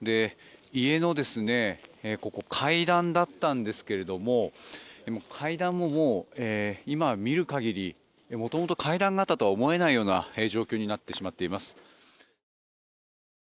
家の階段だったんですけれども階段ももう、今見る限り元々階段があったとは思えない状況になってしまっています。